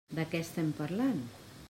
De què estem parlant?